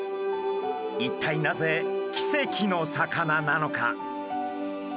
一体なぜ奇跡の魚なのか？